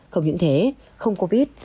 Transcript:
không những thế không covid